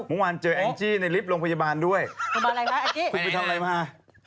สวัสดีแอ็งจี้ในริฟะคุมไปไหนมา